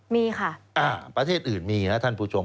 มีค่ะประเทศอื่นมีนะท่านผู้ชม